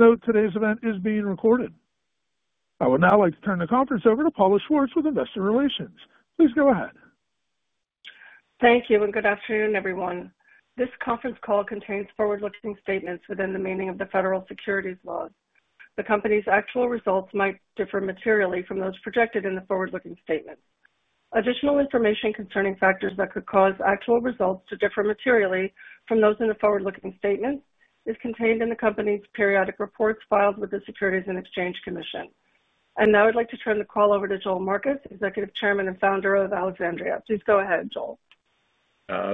Note today's event is being recorded. I would now like to turn the conference over to Paula Schwartz from Investor Relations. Please go ahead. Thank you, and good afternoon, everyone. This conference call contains forward-looking statements within the meaning of the federal securities laws. The company's actual results might differ materially from those projected in the forward-looking statements. Additional information concerning factors that could cause actual results to differ materially from those in the forward-looking statements is contained in the company's periodic reports filed with the Securities and Exchange Commission. I would like to turn the call over to Joel Marcus, Executive Chairman and Founder of Alexandria. Please go ahead, Joel.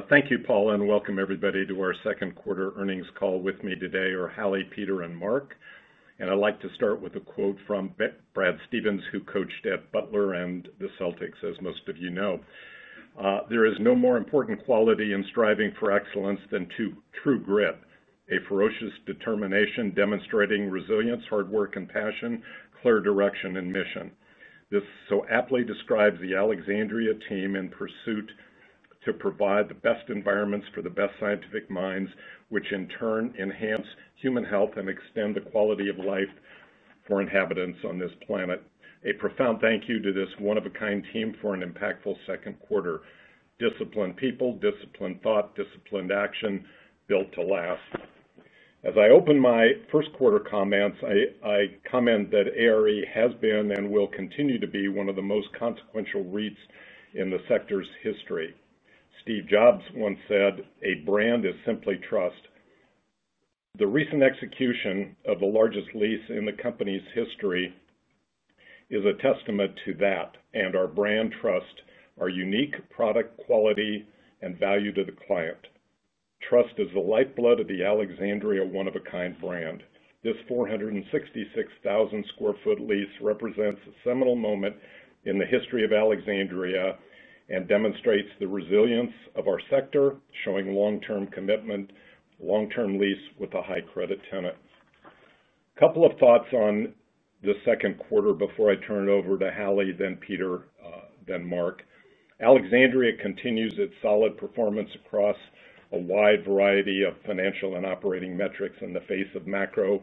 Thank you, Paula, and welcome everybody to our second quarter earnings call. With me today are Hallie, Peter, and Mark. I would like to start with a quote from Brad Stevens, who coached at Butler and the Celtics, as most of you know. "There is no more important quality in striving for excellence than true grit: a ferocious determination demonstrating resilience, hard work, and passion, clear direction, and mission." This so aptly describes the Alexandria team in pursuit to provide the best environments for the best scientific minds, which in turn enhance human health and extend the quality of life for inhabitants on this planet. A profound thank you to this one-of-a-kind team for an impactful second quarter. Disciplined people, disciplined thought, disciplined action built to last. As I opened my first quarter comments, I commented that ARE has been and will continue to be one of the most consequential REITs in the sector's history. Steve Jobs once said, "A brand is simply trust." The recent execution of the largest lease in the company's history is a testament to that and our brand trust, our unique product quality, and value to the client. Trust is the lifeblood of the Alexandria one-of-a-kind brand. This 466,000 sq ft lease represents a seminal moment in the history of Alexandria and demonstrates the resilience of our sector, showing long-term commitment, long-term lease with a high credit tenant. A couple of thoughts on the second quarter before I turn it over to Hallie, then Peter, then Mark. Alexandria continues its solid performance across a wide variety of financial and operating metrics in the face of macro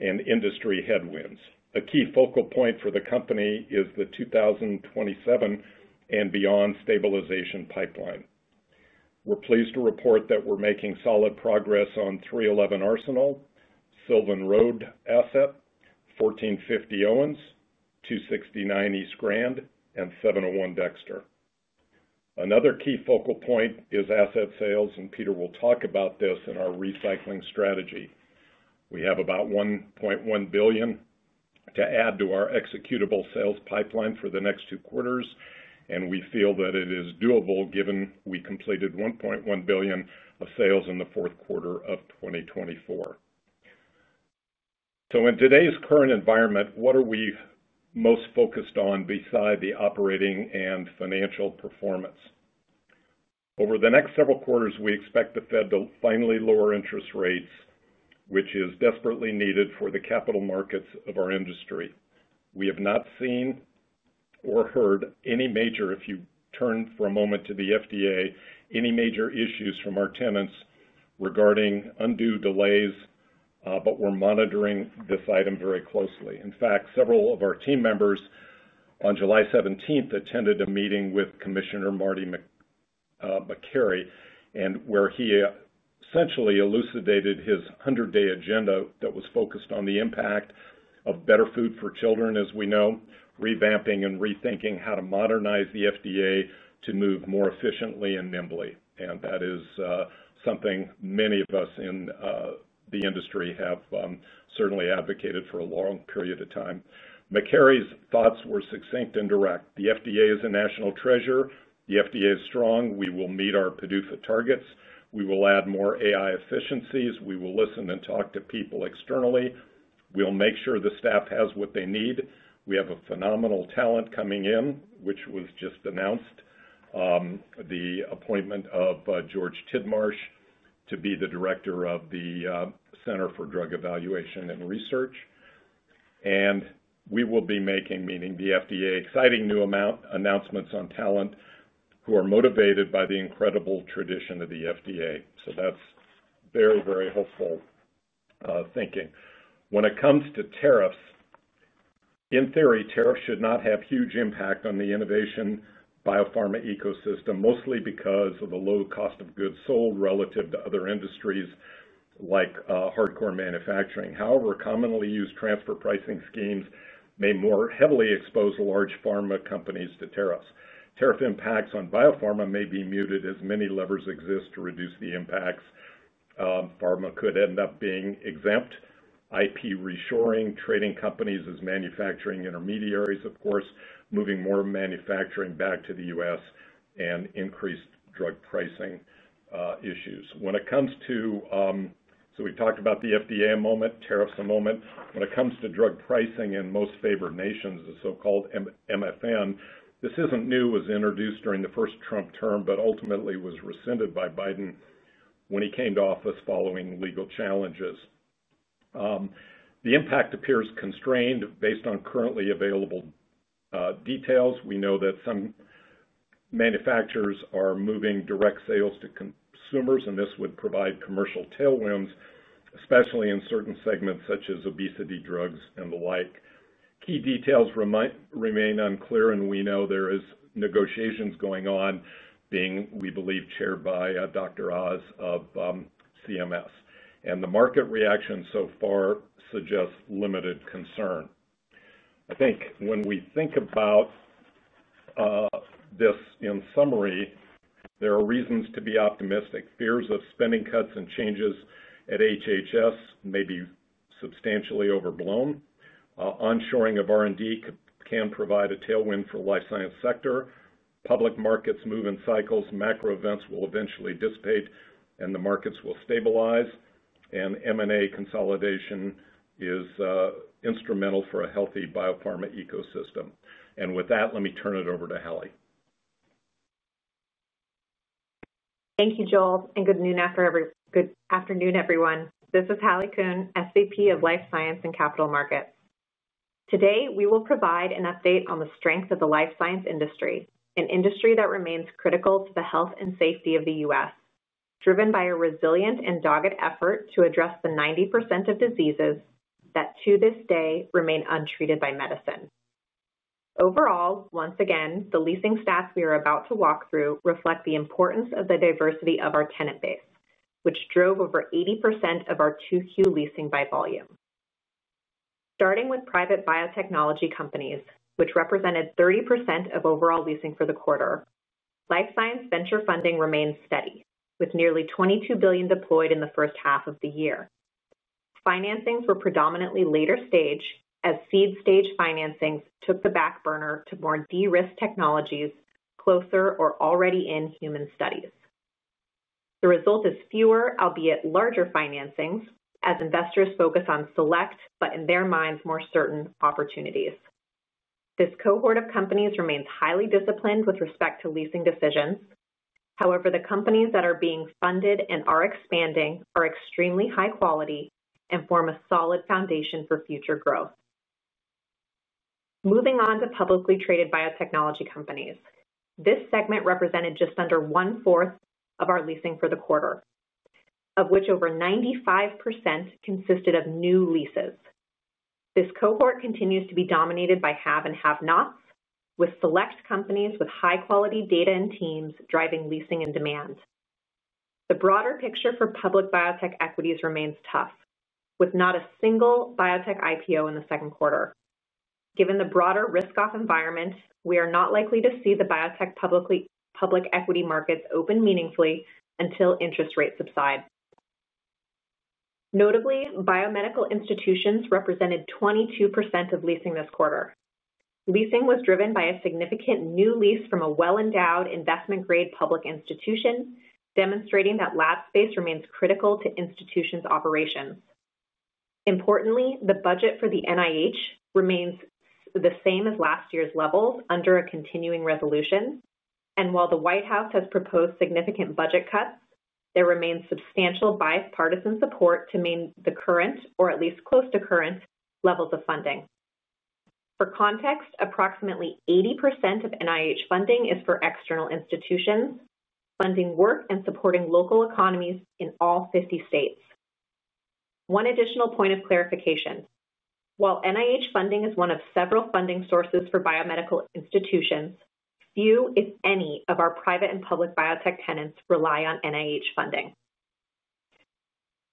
and industry headwinds. A key focal point for the company is the 2027 and beyond stabilization pipeline. We are pleased to report that we are making solid progress on 311 Arsenal, Silvan Road Asset, 1450 Owens, 269 East Grand, and 701 Dexter. Another key focal point is asset sales, and Peter will talk about this in our recycling strategy. We have about $1.1 billion to add to our executable sales pipeline for the next two quarters, and we feel that it is doable given we completed $1.1 billion of sales in the fourth quarter of 2024. In today's current environment, what are we most focused on beside the operating and financial performance? Over the next several quarters, we expect the Fed to finally lower interest rates, which is desperately needed for the capital markets of our industry. We have not seen or heard any major—if you turn for a moment to the FDA—any major issues from our tenants regarding undue delays, but we are monitoring this item very closely. In fact, several of our team members on July 17th attended a meeting with Commissioner Marty McCary, where he essentially elucidated his 100-day agenda that was focused on the impact of better food for children, as we know, revamping and rethinking how to modernize the FDA to move more efficiently and nimbly. That is something many of us in the industry have certainly advocated for a long period of time. McCary's thoughts were succinct and direct. The FDA is a national treasure. The FDA is strong. We will meet our PDUFA targets. We will add more AI efficiencies. We will listen and talk to people externally. We will make sure the staff has what they need. We have phenomenal talent coming in, which was just announced. The appointment of George Tidmarsh to be the director of the Center for Drug Evaluation and Research. We will be making, meaning the FDA, exciting new announcements on talent who are motivated by the incredible tradition of the FDA. That is very, very hopeful thinking. When it comes to tariffs, in theory, tariffs should not have huge impact on the innovation biopharma ecosystem, mostly because of the low cost of goods sold relative to other industries like hardcore manufacturing. However, commonly used transfer pricing schemes may more heavily expose large pharma companies to tariffs. Tariff impacts on biopharma may be muted as many levers exist to reduce the impacts. Pharma could end up being exempt, IP reshoring, trading companies as manufacturing intermediaries, of course, moving more manufacturing back to the U.S., and increased drug pricing issues. We talked about the FDA a moment, tariffs a moment. When it comes to drug pricing in most favored nations, the so-called MFN, this is not new. It was introduced during the first Trump term but ultimately was rescinded by Biden when he came to office following legal challenges. The impact appears constrained based on currently available details. We know that some manufacturers are moving direct sales to consumers, and this would provide commercial tailwinds, especially in certain segments such as obesity drugs and the like. Key details remain unclear, and we know there are negotiations going on, being, we believe, chaired by Dr. Oz of CMS. The market reaction so far suggests limited concern. I think when we think about this in summary, there are reasons to be optimistic. Fears of spending cuts and changes at HHS may be substantially overblown. Onshoring of R&D can provide a tailwind for the life science sector. Public markets move in cycles. Macro events will eventually dissipate, and the markets will stabilize. M&A consolidation is instrumental for a healthy biopharma ecosystem. With that, let me turn it over to Hallie. Thank you, Joel, and good afternoon, everyone. This is Hallie Kuhn, SVP of Life Science and Capital Markets. Today, we will provide an update on the strength of the life science industry, an industry that remains critical to the health and safety of the U.S., driven by a resilient and dogged effort to address the 90% of diseases that to this day remain untreated by medicine. Overall, once again, the leasing stats we are about to walk through reflect the importance of the diversity of our tenant base, which drove over 80% of our 2Q leasing by volume. Starting with private biotechnology companies, which represented 30% of overall leasing for the quarter, life science venture funding remained steady, with nearly $22 billion deployed in the first half of the year. Financings were predominantly later stage as seed stage financings took the back burner to more de-risked technologies closer or already in human studies. The result is fewer, albeit larger financings, as investors focus on select but, in their minds, more certain opportunities. This cohort of companies remains highly disciplined with respect to leasing decisions. However, the companies that are being funded and are expanding are extremely high quality and form a solid foundation for future growth. Moving on to publicly traded biotechnology companies, this segment represented just under one-fourth of our leasing for the quarter, of which over 95% consisted of new leases. This cohort continues to be dominated by have and have-nots, with select companies with high-quality data and teams driving leasing and demand. The broader picture for public biotech equities remains tough, with not a single biotech IPO in the second quarter. Given the broader risk-off environment, we are not likely to see the biotech public equity markets open meaningfully until interest rates subside. Notably, biomedical institutions represented 22% of leasing this quarter. Leasing was driven by a significant new lease from a well-endowed investment-grade public institution, demonstrating that lab space remains critical to institutions' operations. Importantly, the budget for the National Institutes of Health remains the same as last year's levels under a continuing resolution. While the White House has proposed significant budget cuts, there remains substantial bipartisan support to maintain the current, or at least close to current, levels of funding. For context, approximately 80% of National Institutes of Health funding is for external institutions, funding work and supporting local economies in all 50 states. One additional point of clarification: while National Institutes of Health funding is one of several funding sources for biomedical institutions, few, if any, of our private and public biotech tenants rely on National Institutes of Health funding.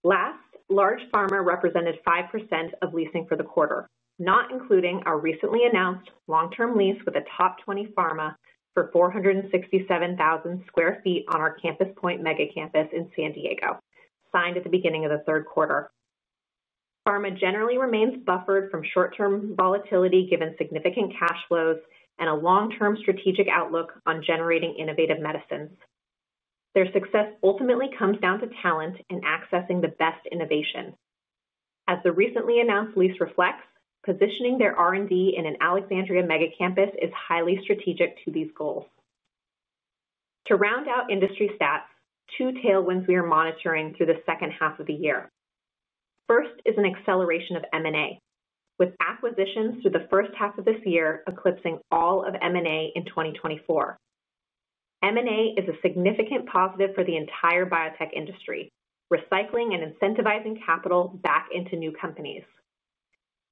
Last, large pharma represented 5% of leasing for the quarter, not including our recently announced long-term lease with a top 20 pharma for 467,000 sq ft on our Campus Point mega campus in San Diego, signed at the beginning of the third quarter. Pharma generally remains buffered from short-term volatility given significant cash flows and a long-term strategic outlook on generating innovative medicines. Their success ultimately comes down to talent and accessing the best innovation. As the recently announced lease reflects, positioning their R&D in an Alexandria mega campus is highly strategic to these goals. To round out industry stats, two tailwinds we are monitoring through the second half of the year. First is an acceleration of M&A, with acquisitions through the first half of this year eclipsing all of M&A in 2024. M&A is a significant positive for the entire biotech industry, recycling and incentivizing capital back into new companies.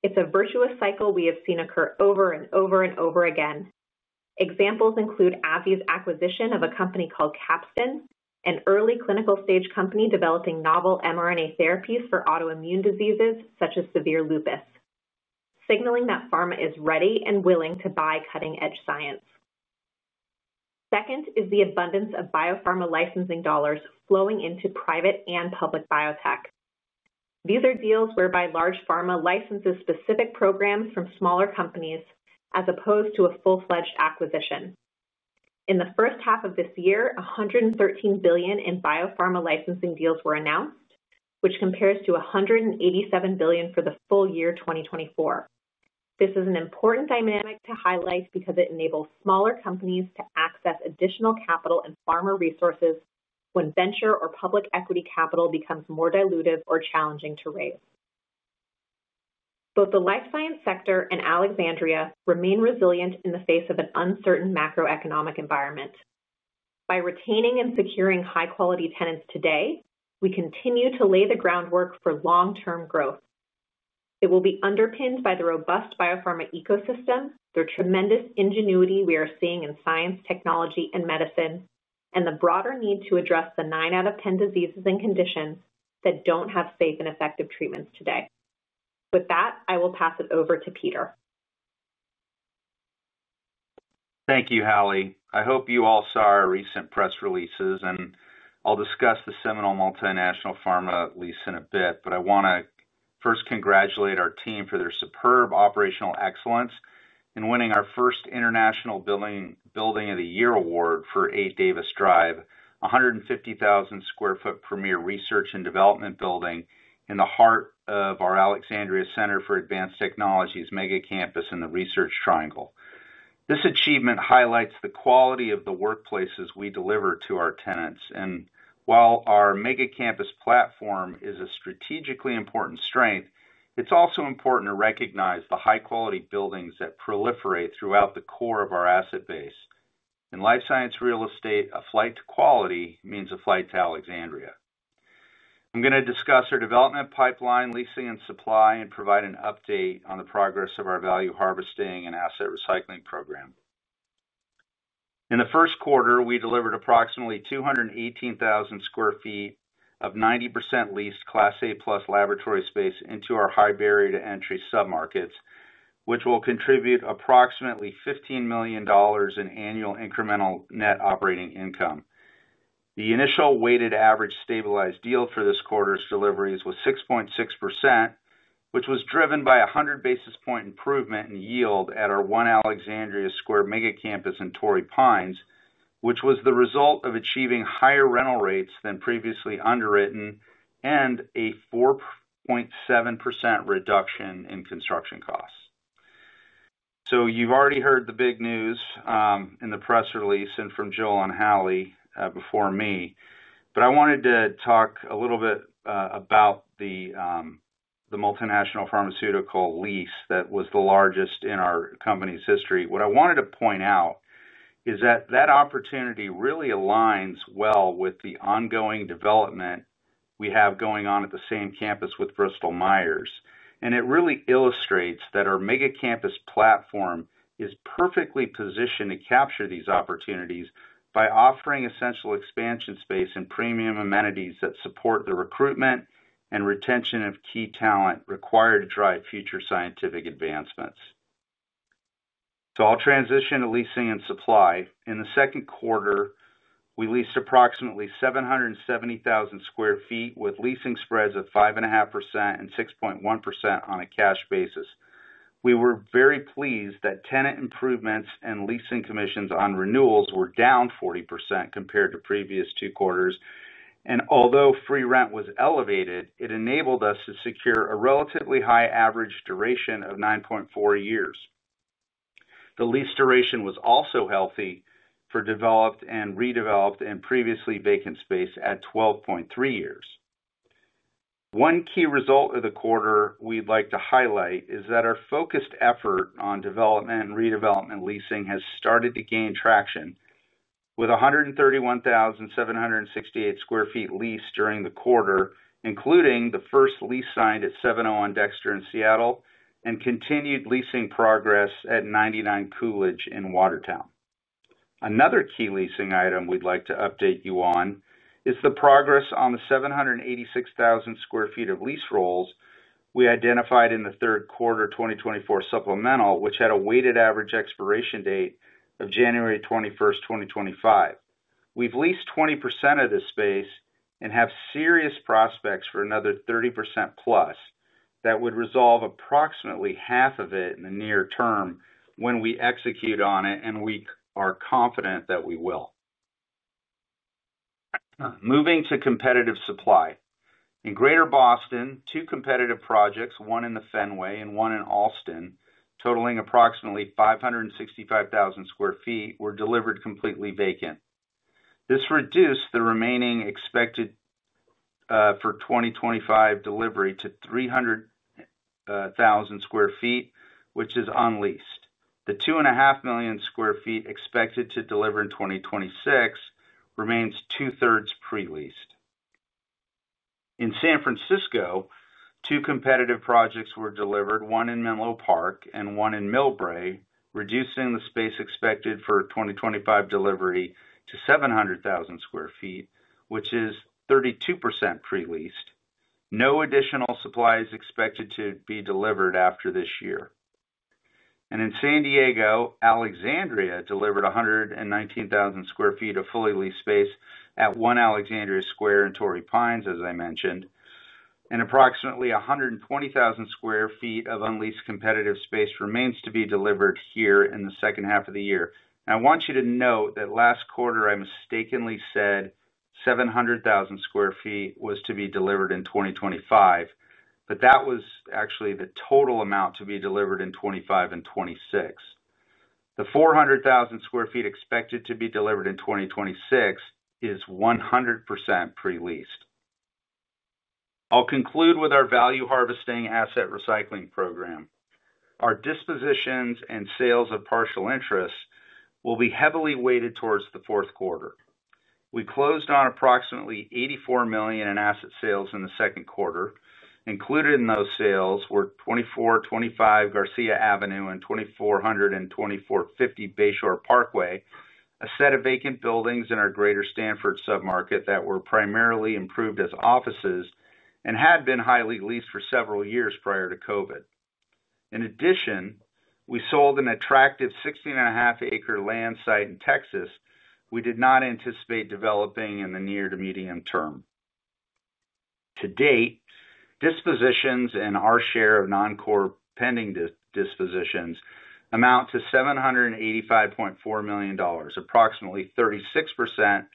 It's a virtuous cycle we have seen occur over and over and over again. Examples include AbbVie's acquisition of a company called Capston, an early clinical stage company developing novel mRNA therapies for autoimmune diseases such as severe lupus. Signaling that pharma is ready and willing to buy cutting-edge science. Second is the abundance of biopharma licensing dollars flowing into private and public biotech. These are deals whereby large pharma licenses specific programs from smaller companies as opposed to a full-fledged acquisition. In the first half of this year, $113 billion in biopharma licensing deals were announced, which compares to $187 billion for the full year 2024. This is an important dynamic to highlight because it enables smaller companies to access additional capital and pharma resources when venture or public equity capital becomes more dilutive or challenging to raise. Both the life science sector and Alexandria remain resilient in the face of an uncertain macroeconomic environment. By retaining and securing high-quality tenants today, we continue to lay the groundwork for long-term growth. It will be underpinned by the robust biopharma ecosystem, the tremendous ingenuity we are seeing in science, technology, and medicine, and the broader need to address the 9 out of 10 diseases and conditions that don't have safe and effective treatments today. With that, I will pass it over to Peter. Thank you, Hallie. I hope you all saw our recent press releases, and I'll discuss the Seminole Multinational Pharma lease in a bit. I want to first congratulate our team for their superb operational excellence in winning our first International Building of the Year Award for 8 Davis Drive, a 150,000 sq ft premier research and development building in the heart of our Alexandria Center for Advanced Technologies mega campus in the Research Triangle. This achievement highlights the quality of the workplaces we deliver to our tenants. While our mega campus platform is a strategically important strength, it's also important to recognize the high-quality buildings that proliferate throughout the core of our asset base. In life science real estate, a flight to quality means a flight to Alexandria. I'm going to discuss our development pipeline, leasing and supply, and provide an update on the progress of our value harvesting and asset recycling program. In the first quarter, we delivered approximately 218,000 sq ft of 90% leased Class A-plus laboratory space into our high barrier to entry submarkets, which will contribute approximately $15 million in annual incremental net operating income. The initial weighted average stabilized yield for this quarter's deliveries was 6.6%, which was driven by a 100 basis point improvement in yield at our one Alexandria Square mega campus in Torrey Pines, which was the result of achieving higher rental rates than previously underwritten and a 4.7% reduction in construction costs. You've already heard the big news in the press release and from Joel and Hallie before me. I wanted to talk a little bit about the multinational pharmaceutical lease that was the largest in our company's history. What I wanted to point out is that that opportunity really aligns well with the ongoing development we have going on at the same campus with Bristol-Myers. It really illustrates that our mega campus platform is perfectly positioned to capture these opportunities by offering essential expansion space and premium amenities that support the recruitment and retention of key talent required to drive future scientific advancements. I'll transition to leasing and supply. In the second quarter, we leased approximately 770,000 sq ft with leasing spreads of 5.5% and 6.1% on a cash basis. We were very pleased that tenant improvements and leasing commissions on renewals were down 40% compared to previous two quarters. Although free rent was elevated, it enabled us to secure a relatively high average duration of 9.4 years. The lease duration was also healthy for developed and redeveloped and previously vacant space at 12.3 years. One key result of the quarter we'd like to highlight is that our focused effort on development and redevelopment leasing has started to gain traction with 131,768 sq ft leased during the quarter, including the first lease signed at 701 Dexter in Seattle and continued leasing progress at 99 Coolidge in Watertown. Another key leasing item we'd like to update you on is the progress on the 786,000 sq ft of lease rolls we identified in the third quarter 2024 supplemental, which had a weighted average expiration date of January 21, 2025. We've leased 20% of this space and have serious prospects for another 30% plus that would resolve approximately half of it in the near term when we execute on it, and we are confident that we will. Moving to competitive supply. In Greater Boston, two competitive projects, one in the Fenway and one in Alston, totaling approximately 565,000 sq ft, were delivered completely vacant. This reduced the remaining expected for 2025 delivery to 300,000 sq ft, which is unleased. The 2.5 million sq ft expected to deliver in 2026 remains two-thirds pre-leased. In San Francisco, two competitive projects were delivered, one in Menlo Park and one in Millbrae, reducing the space expected for 2025 delivery to 700,000 sq ft, which is 32% pre-leased. No additional supply is expected to be delivered after this year. In San Diego, Alexandria delivered 119,000 sq ft of fully leased space at 1 Alexandria Square in Torrey Pines, as I mentioned. Approximately 120,000 sq ft of unleased competitive space remains to be delivered here in the second half of the year. I want you to note that last quarter, I mistakenly said 700,000 sq ft was to be delivered in 2025, but that was actually the total amount to be delivered in 2025 and 2026. The 400,000 sq ft expected to be delivered in 2026 is 100% pre-leased. I'll conclude with our value harvesting asset recycling program. Our dispositions and sales of partial interest will be heavily weighted towards the fourth quarter. We closed on approximately $84 million in asset sales in the second quarter. Included in those sales were 2425 Garcia Avenue and 242450 Bayshore Parkway, a set of vacant buildings in our Greater Stanford submarket that were primarily improved as offices and had been highly leased for several years prior to COVID. In addition, we sold an attractive 16.5-acre land site in Texas we did not anticipate developing in the near to medium term. To date, dispositions and our share of non-core pending dispositions amount to $785.4 million. Approximately 36%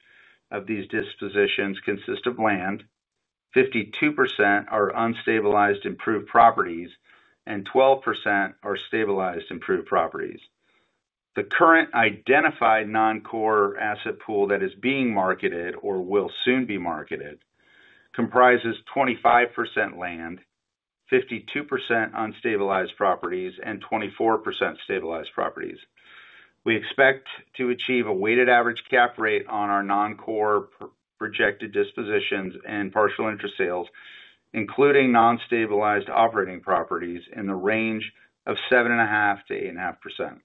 of these dispositions consist of land. 52% are unstabilized improved properties, and 12% are stabilized improved properties. The current identified non-core asset pool that is being marketed or will soon be marketed comprises 25% land, 52% unstabilized properties, and 24% stabilized properties. We expect to achieve a weighted average cap rate on our non-core projected dispositions and partial interest sales, including non-stabilized operating properties, in the range of 7.5-8.5%.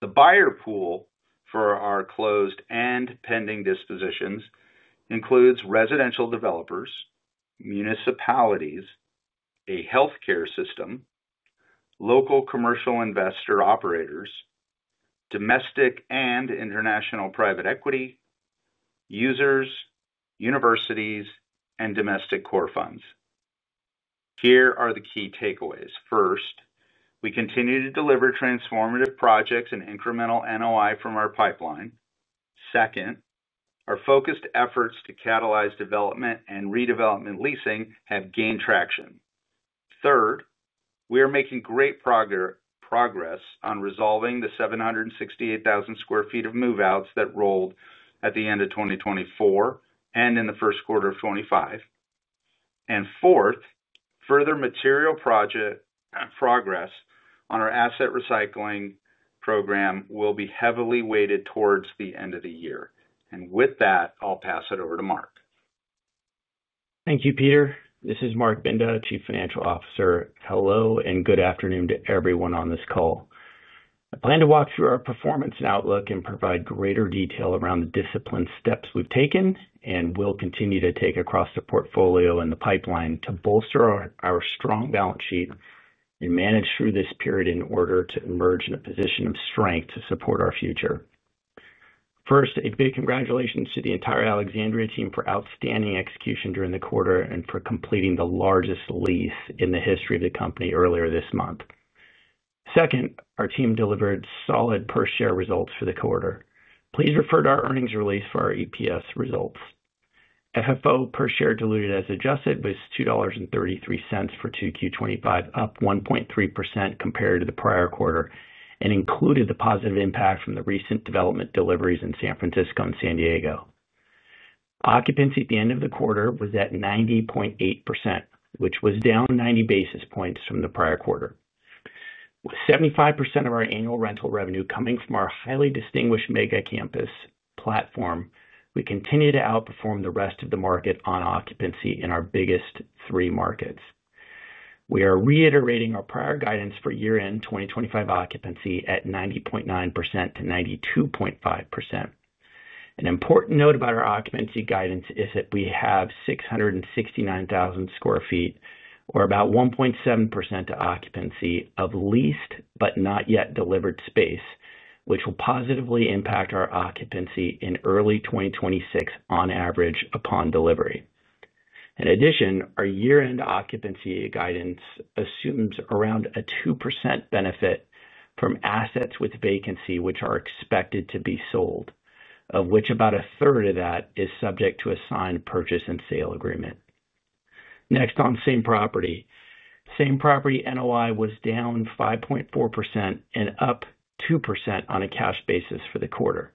The buyer pool for our closed and pending dispositions includes residential developers, municipalities, a healthcare system, local commercial investor operators, domestic and international private equity, users, universities, and domestic core funds. Here are the key takeaways. First, we continue to deliver transformative projects and incremental NOI from our pipeline. Second, our focused efforts to catalyze development and redevelopment leasing have gained traction. Third, we are making great progress on resolving the 768,000 sq ft of move-outs that rolled at the end of 2024 and in the first quarter of 2025. Fourth, further material project progress on our asset recycling program will be heavily weighted towards the end of the year. With that, I'll pass it over to Mark. Thank you, Peter. This is Mark Binda, Chief Financial Officer. Hello and good afternoon to everyone on this call. I plan to walk through our performance and outlook and provide greater detail around the discipline steps we've taken and will continue to take across the portfolio and the pipeline to bolster our strong balance sheet and manage through this period in order to emerge in a position of strength to support our future. First, a big congratulations to the entire Alexandria team for outstanding execution during the quarter and for completing the largest lease in the history of the company earlier this month. Second, our team delivered solid per-share results for the quarter. Please refer to our earnings release for our EPS results. FFO per-share diluted as adjusted was $2.33 for Q2 2025, up 1.3% compared to the prior quarter and included the positive impact from the recent development deliveries in San Francisco and San Diego. Occupancy at the end of the quarter was at 90.8%, which was down 90 basis points from the prior quarter. With 75% of our annual rental revenue coming from our highly distinguished mega campus platform, we continue to outperform the rest of the market on occupancy in our biggest three markets. We are reiterating our prior guidance for year-end 2025 occupancy at 90.9%-92.5%. An important note about our occupancy guidance is that we have 669,000 sq ft, or about 1.7% to occupancy, of leased but not yet delivered space, which will positively impact our occupancy in early 2026 on average upon delivery. In addition, our year-end occupancy guidance assumes around a 2% benefit from assets with vacancy which are expected to be sold, of which about a third of that is subject to a signed purchase and sale agreement. Next, on same property. Same property NOI was down 5.4% and up 2% on a cash basis for the quarter.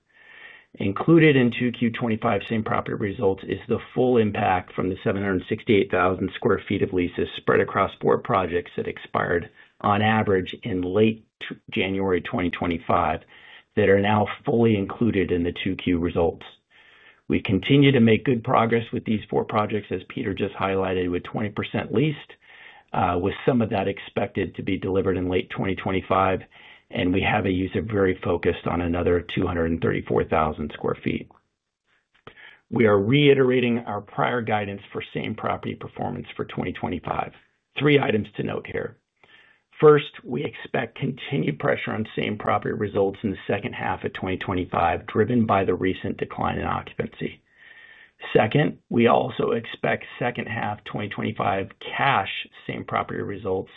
Included in Q2 2025 same property results is the full impact from the 768,000 sq ft of leases spread across four projects that expired on average in late January 2025 that are now fully included in the two Q results. We continue to make good progress with these four projects, as Peter just highlighted, with 20% leased, with some of that expected to be delivered in late 2025, and we have a user very focused on another 234,000 sq ft. We are reiterating our prior guidance for same property performance for 2025. Three items to note here. First, we expect continued pressure on same property results in the second half of 2025, driven by the recent decline in occupancy. Second, we also expect second half 2025 cash same property results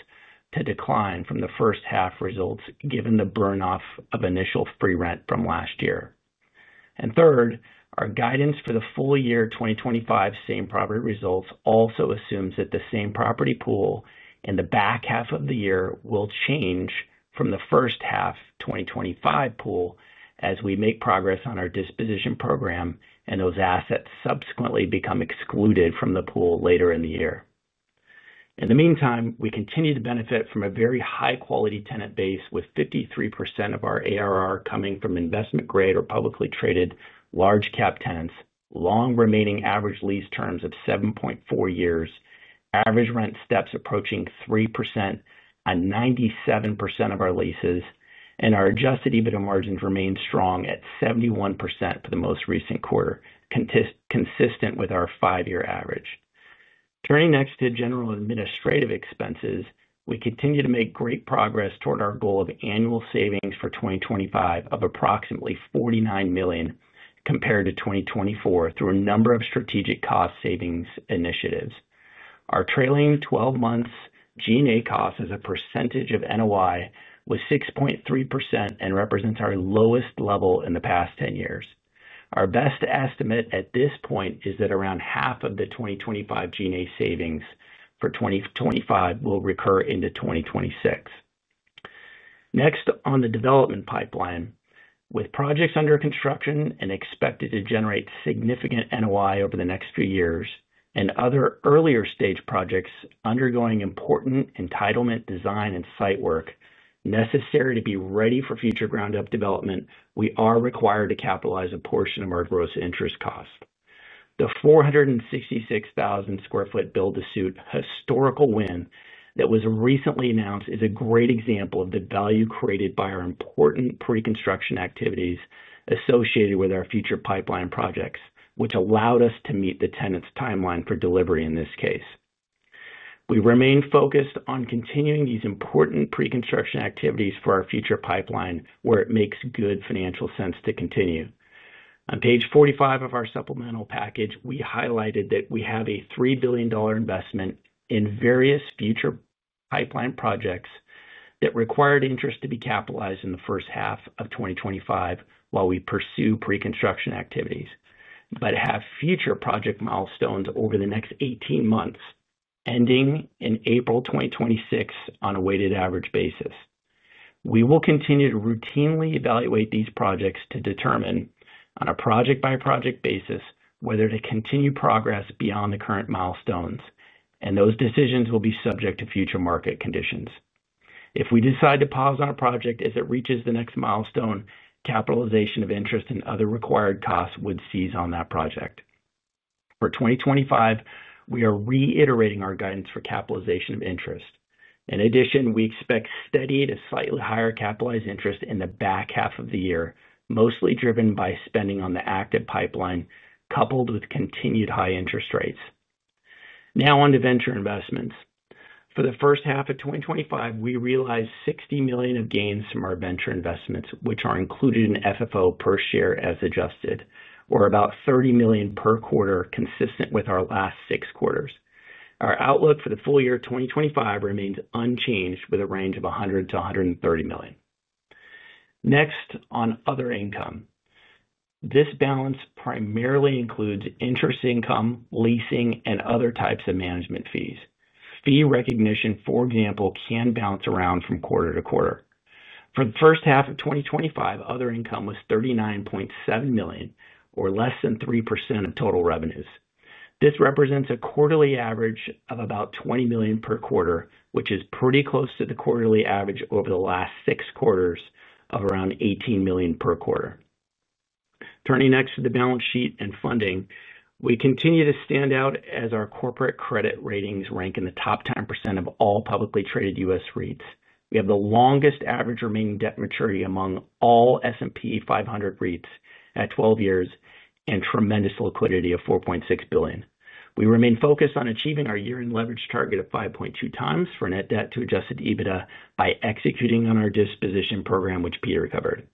to decline from the first half results, given the burn-off of initial free rent from last year. Third, our guidance for the full year 2025 same property results also assumes that the same property pool in the back half of the year will change from the first half 2025 pool as we make progress on our disposition program and those assets subsequently become excluded from the pool later in the year. In the meantime, we continue to benefit from a very high-quality tenant base, with 53% of our ARR coming from investment-grade or publicly traded large-cap tenants, long remaining average lease terms of 7.4 years, average rent steps approaching 3% at 97% of our leases, and our Adjusted EBITDA margins remain strong at 71% for the most recent quarter, consistent with our five-year average. Turning next to general administrative expenses, we continue to make great progress toward our goal of annual savings for 2025 of approximately $49 million compared to 2024 through a number of strategic cost savings initiatives. Our trailing 12-month G&A cost as a percentage of NOI was 6.3% and represents our lowest level in the past 10 years. Our best estimate at this point is that around half of the 2025 G&A savings for 2025 will recur into 2026. Next, on the development pipeline, with projects under construction and expected to generate significant NOI over the next few years and other earlier stage projects undergoing important entitlement, design, and site work necessary to be ready for future ground-up development, we are required to capitalize a portion of our gross interest cost. The 466,000 sq ft build-to-suit historical win that was recently announced is a great example of the value created by our important pre-construction activities associated with our future pipeline projects, which allowed us to meet the tenant's timeline for delivery in this case. We remain focused on continuing these important pre-construction activities for our future pipeline, where it makes good financial sense to continue. On page 45 of our supplemental package, we highlighted that we have a $3 billion investment in various future pipeline projects that required interest to be capitalized in the first half of 2025 while we pursue pre-construction activities, but have future project milestones over the next 18 months ending in April 2026 on a weighted average basis. We will continue to routinely evaluate these projects to determine on a project-by-project basis whether to continue progress beyond the current milestones, and those decisions will be subject to future market conditions. If we decide to pause on a project as it reaches the next milestone, capitalization of interest and other required costs would cease on that project. For 2025, we are reiterating our guidance for capitalization of interest. In addition, we expect steady to slightly higher capitalized interest in the back half of the year, mostly driven by spending on the active pipeline coupled with continued high interest rates. Now on to venture investments. For the first half of 2025, we realized $60 million of gains from our venture investments, which are included in FFO per share as adjusted, or about $30 million per quarter, consistent with our last six quarters. Our outlook for the full year 2025 remains unchanged with a range of $100 million-$130 million. Next, on other income. This balance primarily includes interest income, leasing, and other types of management fees. Fee recognition, for example, can bounce around from quarter to quarter. For the first half of 2025, other income was $39.7 million, or less than 3% of total revenues. This represents a quarterly average of about $20 million per quarter, which is pretty close to the quarterly average over the last six quarters of around $18 million per quarter. Turning next to the balance sheet and funding, we continue to stand out as our corporate credit ratings rank in the top 10% of all publicly traded U.S. REITs. We have the longest average remaining debt maturity among all S&P 500 REITs at 12 years and tremendous liquidity of $4.6 billion. We remain focused on achieving our year-end leverage target of 5.2 times for net debt to Adjusted EBITDA by executing on our disposition program, which Peter covered.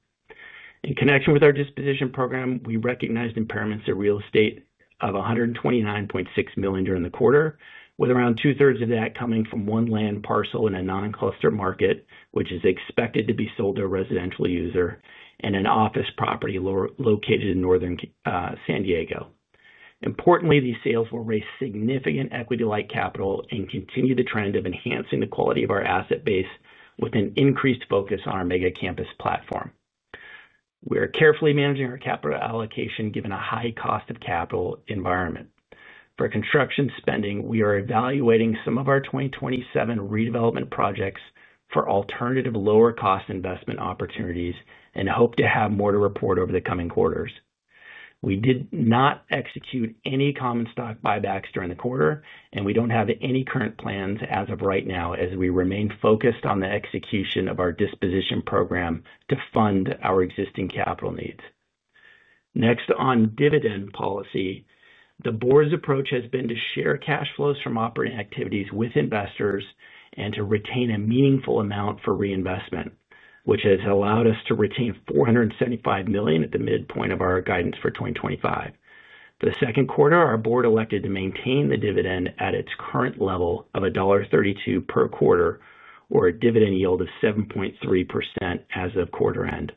In connection with our disposition program, we recognized impairments of real estate of $129.6 million during the quarter, with around two-thirds of that coming from one land parcel in a non-cluster market, which is expected to be sold to a residential user, and an office property located in northern San Diego. Importantly, these sales will raise significant equity-like capital and continue the trend of enhancing the quality of our asset base with an increased focus on our mega campus platform. We are carefully managing our capital allocation given a high cost of capital environment. For construction spending, we are evaluating some of our 2027 redevelopment projects for alternative lower-cost investment opportunities and hope to have more to report over the coming quarters. We did not execute any common stock buybacks during the quarter, and we do not have any current plans as of right now as we remain focused on the execution of our disposition program to fund our existing capital needs. Next, on dividend policy, the board's approach has been to share cash flows from operating activities with investors and to retain a meaningful amount for reinvestment, which has allowed us to retain $475 million at the midpoint of our guidance for 2025. For the second quarter, our board elected to maintain the dividend at its current level of $1.32 per quarter, or a dividend yield of 7.3% as of quarter end.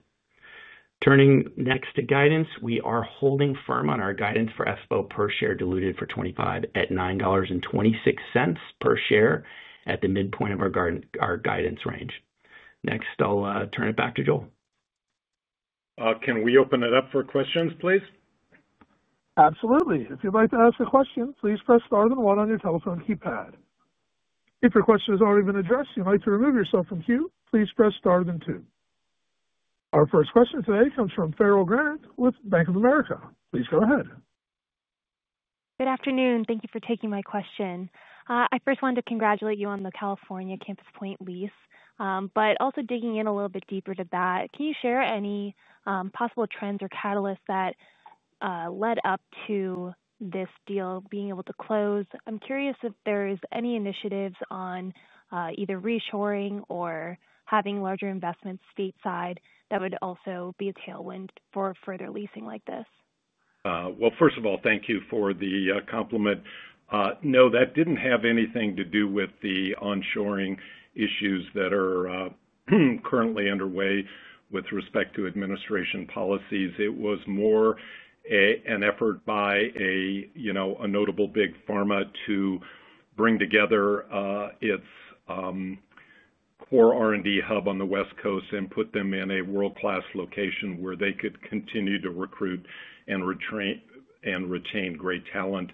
Turning next to guidance, we are holding firm on our guidance for FFO per share diluted for 2025 at $9.26 per share at the midpoint of our guidance range. Next, I'll turn it back to Joel. Can we open it up for questions, please? Absolutely. If you'd like to ask a question, please press star then one on your telephone keypad. If your question has already been addressed and you'd like to remove yourself from queue, please press star then two. Our first question today comes from Farrell Granath with Bank of America. Please go ahead. Good afternoon. Thank you for taking my question. I first wanted to congratulate you on the California Campus Point lease, but also digging in a little bit deeper to that. Can you share any possible trends or catalysts that led up to this deal being able to close? I'm curious if there are any initiatives on either reshoring or having larger investments stateside that would also be a tailwind for further leasing like this. First of all, thank you for the compliment. No, that did not have anything to do with the onshoring issues that are currently underway with respect to administration policies. It was more an effort by a notable big pharma to bring together its core R&D hub on the West Coast and put them in a world-class location where they could continue to recruit and retain great talent.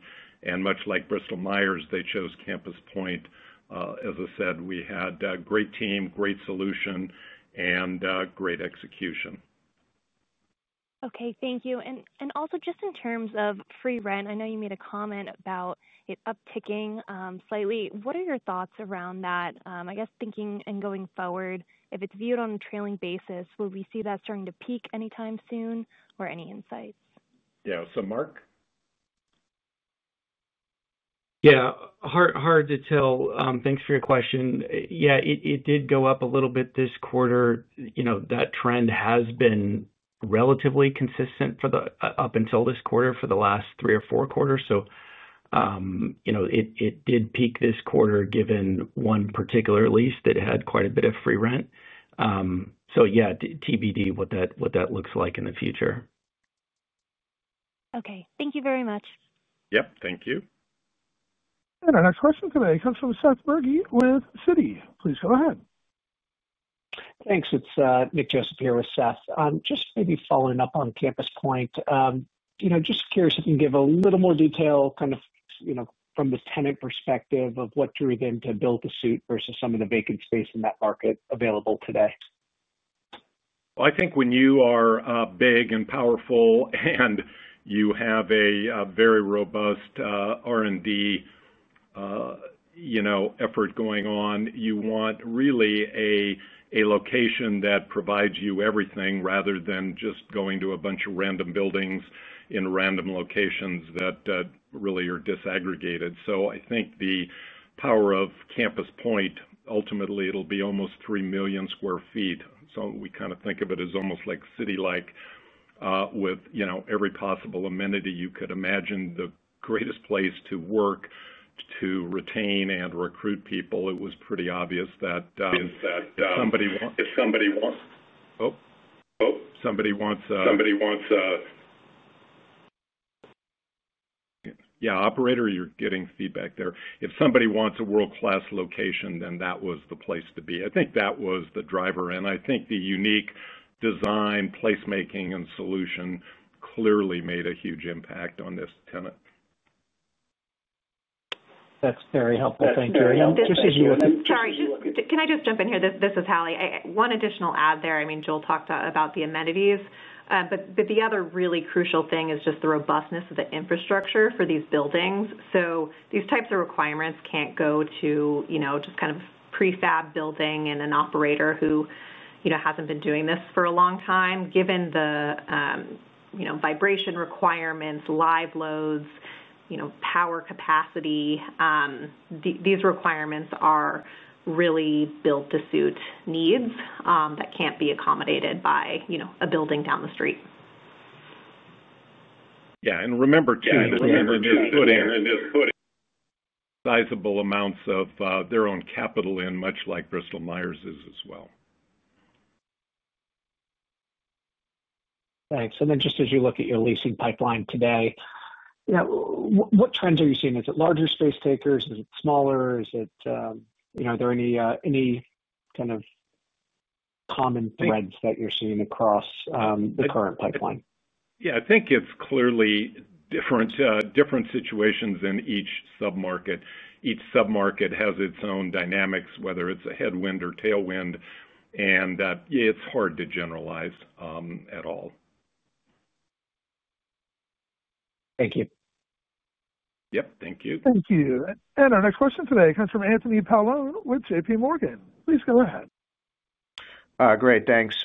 Much like Bristol-Myers, they chose Campus Point. As I said, we had a great team, great solution, and great execution. Okay. Thank you. Also, just in terms of free rent, I know you made a comment about it upticking slightly. What are your thoughts around that? I guess thinking and going forward, if it is viewed on a trailing basis, will we see that starting to peak anytime soon or any insights? Yeah. So, Mark? Yeah. Hard to tell. Thanks for your question. Yeah, it did go up a little bit this quarter. That trend has been relatively consistent up until this quarter for the last three or four quarters. It did peak this quarter given one particular lease that had quite a bit of free rent. Yeah, TBD what that looks like in the future. Okay. Thank you very much. Yep. Thank you. Our next question today comes from Seth Berge with Citi. Please go ahead. Thanks. It's Nick Joseph here with Seth. Just maybe following up on Campus Point. Just curious if you can give a little more detail kind of from the tenant perspective of what drew them to build to suit versus some of the vacant space in that market available today? I think when you are big and powerful and you have a very robust R&D effort going on, you want really a location that provides you everything rather than just going to a bunch of random buildings in random locations that really are disaggregated. I think the power of Campus Point, ultimately, it'll be almost 3 million sq ft. We kind of think of it as almost like CityLike, with every possible amenity you could imagine, the greatest place to work, to retain and recruit people. It was pretty obvious that if somebody wants—oh, operator, you're getting feedback there—if somebody wants a world-class location, then that was the place to be. I think that was the driver. I think the unique design, placemaking, and solution clearly made a huge impact on this tenant. That's very helpful. Thank you. Thank you. Sorry. Can I just jump in here? This is Hallie. One additional add there. I mean, Joel talked about the amenities, but the other really crucial thing is just the robustness of the infrastructure for these buildings. These types of requirements cannot go to just kind of a prefab building and an operator who has not been doing this for a long time. Given the vibration requirements, live loads, power capacity. These requirements are really build-to-suit needs that cannot be accommodated by a building down the street. Yeah. And remember too. Remember to put in sizable amounts of their own capital in, much like Bristol-Myers is as well. Thanks. Just as you look at your leasing pipeline today, what trends are you seeing? Is it larger space takers? Is it smaller? Are there any kind of common threads that you're seeing across the current pipeline? Yeah. I think it's clearly different situations in each submarket. Each submarket has its own dynamics, whether it's a headwind or tailwind. It's hard to generalize at all. Thank you. Yep. Thank you. Thank you. Our next question today comes from Anthony Paolone with JPMorgan. Please go ahead. Great. Thanks.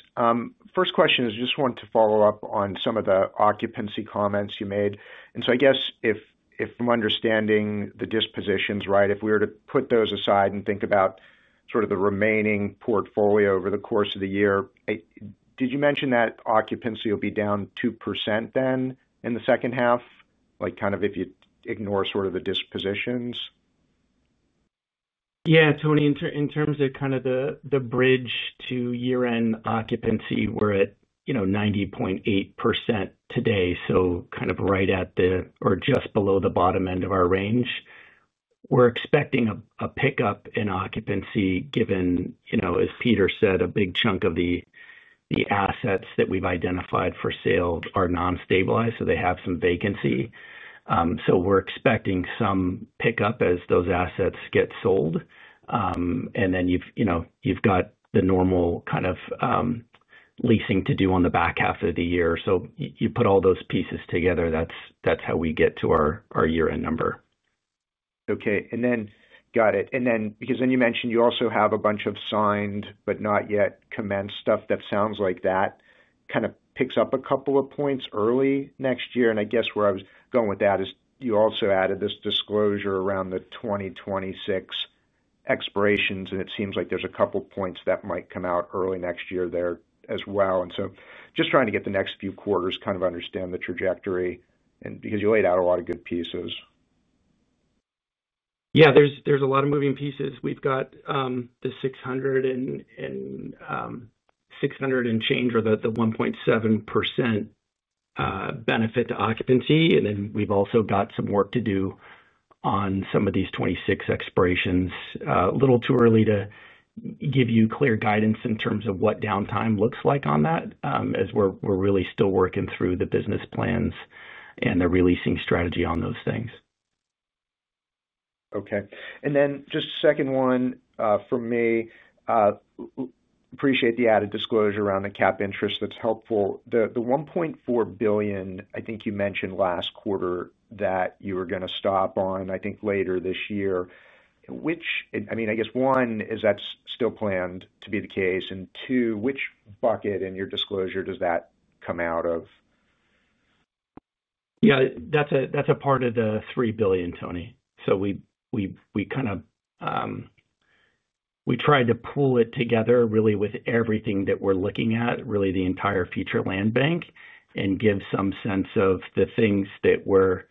First question is just wanted to follow up on some of the occupancy comments you made. I guess if I'm understanding the dispositions right, if we were to put those aside and think about sort of the remaining portfolio over the course of the year, did you mention that occupancy will be down 2% then in the second half, kind of if you ignore sort of the dispositions? Yeah, Tony, in terms of kind of the bridge to year-end occupancy, we're at 90.8% today, so kind of right at the or just below the bottom end of our range. We're expecting a pickup in occupancy given, as Peter said, a big chunk of the assets that we've identified for sale are non-stabilized, so they have some vacancy. We're expecting some pickup as those assets get sold. Then you've got the normal kind of leasing to do on the back half of the year. You put all those pieces together, that's how we get to our year-end number. Okay. Got it. Because you mentioned you also have a bunch of signed but not yet commenced stuff that sounds like that kind of picks up a couple of points early next year. I guess where I was going with that is you also added this disclosure around the 2026 expirations, and it seems like there are a couple of points that might come out early next year there as well. Just trying to get the next few quarters, kind of understand the trajectory because you laid out a lot of good pieces. Yeah. There's a lot of moving pieces. We've got the 600 and change or the 1.7% benefit to occupancy. Then we've also got some work to do on some of these 26 expirations. It's a little too early to give you clear guidance in terms of what downtime looks like on that as we're really still working through the business plans and the releasing strategy on those things. Okay. And then just a second one for me. Appreciate the added disclosure around the cap interest. That's helpful. The $1.4 billion, I think you mentioned last quarter that you were going to stop on, I think, later this year. I mean, I guess one, is that still planned to be the case? I mean, two, which bucket in your disclosure does that come out of? Yeah. That's a part of the $3 billion, Tony. We kind of tried to pull it together really with everything that we're looking at, really the entire future land bank, and give some sense of the things that we're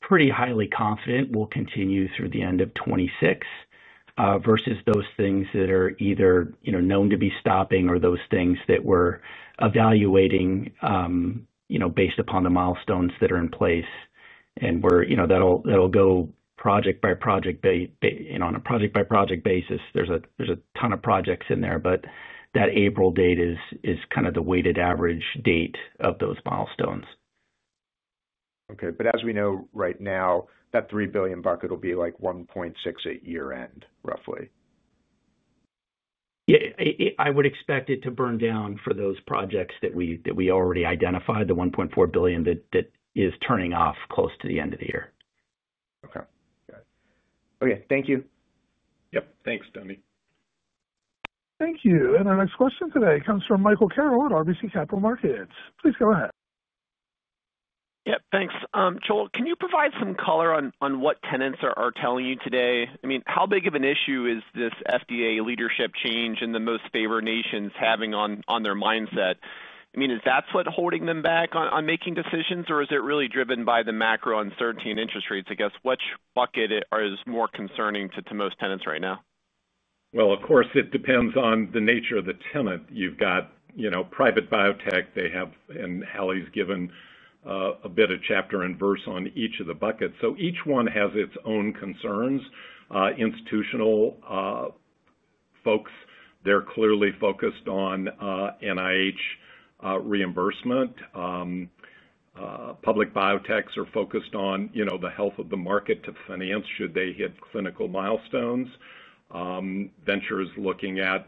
pretty highly confident will continue through the end of 2026 versus those things that are either known to be stopping or those things that we're evaluating. Based upon the milestones that are in place. That'll go project by project. On a project-by-project basis, there's a ton of projects in there, but that April date is kind of the weighted average date of those milestones. Okay. As we know right now, that $3 billion bucket will be like $1.6 billion at year-end, roughly. Yeah. I would expect it to burn down for those projects that we already identified, the $1.4 billion that is turning off close to the end of the year. Okay. Got it. Okay. Thank you. Yep. Thanks, Tony. Thank you. Our next question today comes from Michael Carroll at RBC Capital Markets. Please go ahead. Yep. Thanks. Joel, can you provide some color on what tenants are telling you today? I mean, how big of an issue is this FDA leadership change and the most favored nations having on their mindset? I mean, is that what's holding them back on making decisions, or is it really driven by the macro uncertainty in interest rates? I guess which bucket is more concerning to most tenants right now? Of course, it depends on the nature of the tenant. You've got private biotech. And Hallie's given a bit of chapter and verse on each of the buckets. Each one has its own concerns. Institutional folks, they're clearly focused on NIH reimbursement. Public biotechs are focused on the health of the market to finance should they hit clinical milestones. Venture is looking at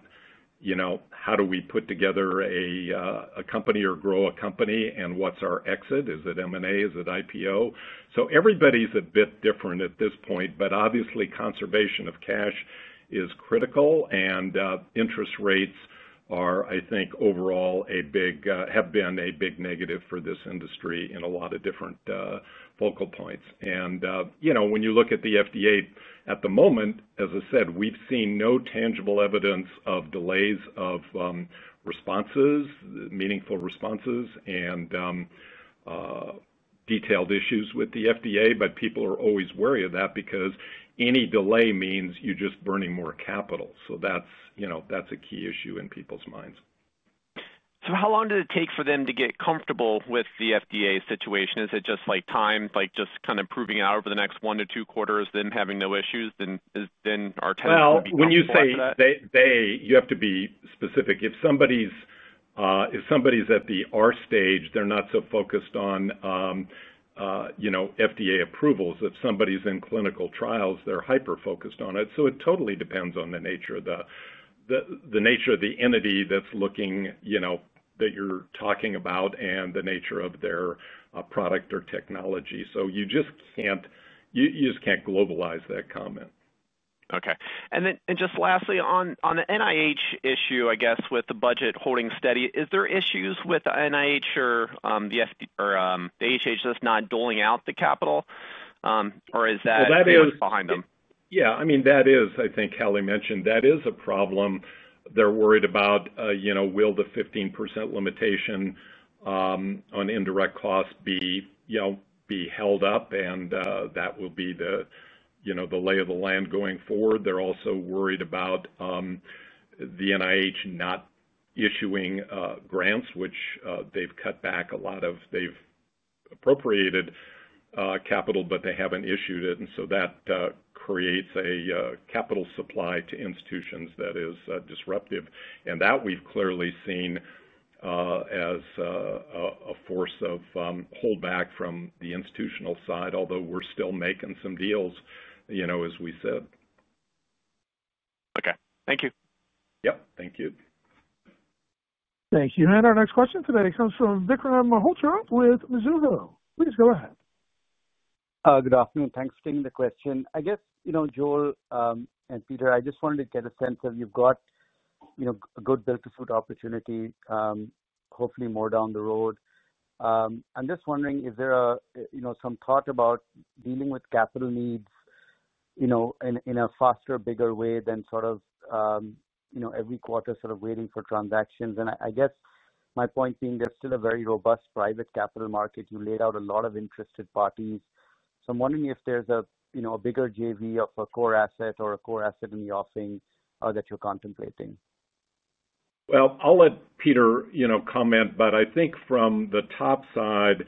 how do we put together a company or grow a company, and what's our exit? Is it M&A? Is it IPO? Everybody's a bit different at this point, but obviously, conservation of cash is critical. Interest rates are, I think, overall a big have been a big negative for this industry in a lot of different focal points. When you look at the FDA at the moment, as I said, we've seen no tangible evidence of delays of responses, meaningful responses, and detailed issues with the FDA, but people are always wary of that because any delay means you're just burning more capital. That's a key issue in people's minds. How long did it take for them to get comfortable with the FDA situation? Is it just time, just kind of proving it out over the next one to two quarters, then having no issues? Then our tenants will be comfortable with that? When you say you have to be specific. If somebody's at the R stage, they're not so focused on FDA approvals. If somebody's in clinical trials, they're hyper-focused on it. It totally depends on the nature of the entity that's looking, that you're talking about, and the nature of their product or technology. You just can't globalize that comment. Okay. And then just lastly, on the NIH issue, I guess, with the budget holding steady, is there issues with the NIH or the HHS not doling out the capital? Or is that a risk behind them? Yeah. I mean, that is, I think Hallie mentioned, that is a problem. They're worried about. Will the 15% limitation on indirect costs be held up? That will be the lay of the land going forward. They're also worried about the NIH not issuing grants, which they've cut back a lot of. They've appropriated capital, but they haven't issued it. That creates a capital supply to institutions that is disruptive. That we've clearly seen as a force of holdback from the institutional side, although we're still making some deals, as we said. Okay. Thank you. Yep. Thank you. Thank you. Our next question today comes from Vikram Malhotra with Mizuho. Please go ahead. Good afternoon. Thanks for taking the question. I guess, Joel and Peter, I just wanted to get a sense of you've got a good build-to-suit opportunity. Hopefully more down the road. I'm just wondering, is there some thought about dealing with capital needs in a faster, bigger way than sort of every quarter, sort of waiting for transactions? I guess my point being, there's still a very robust private capital market. You laid out a lot of interested parties. I'm wondering if there's a bigger JV of a core asset or a core asset in the offing that you're contemplating. I think from the top side,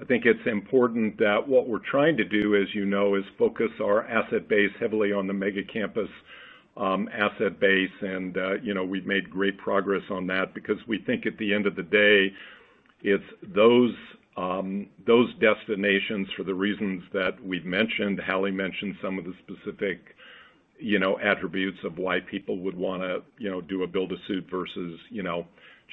I think it's important that what we're trying to do, as you know, is focus our asset base heavily on the mega campus asset base. We've made great progress on that because we think at the end of the day it's those destinations for the reasons that we've mentioned. Hallie mentioned some of the specific attributes of why people would want to do a build-to-suit versus